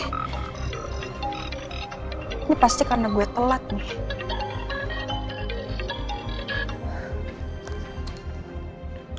ini pasti karena gue telat nih